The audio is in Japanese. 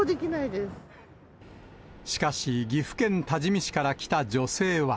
しかし、岐阜県多治見市から来た女性は。